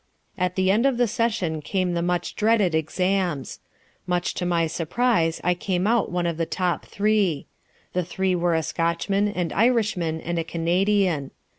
At the end of the session came the much dreaded exams. Much to my surprise I came out one of the top three. The three were a Scotchman, an Irishman and a Canadian.